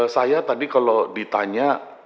saya tadi kalau ditanya